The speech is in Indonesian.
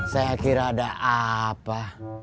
saya kira ada apa